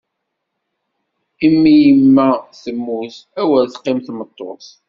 Imiyeimma temmut, awer teqqim tmeṭṭut!